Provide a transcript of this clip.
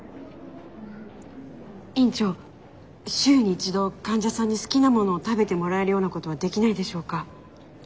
週に１度患者さんに好きなものを食べてもらえるようなことはできないでしょうか？